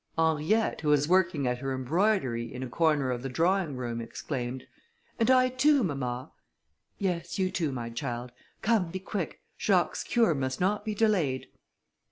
Henriette, who was working at her embroidery, in a corner of the drawing room, exclaimed, "And I too, mamma." "Yes, you too, my child; come, be quick, Jacques's cure must not be delayed."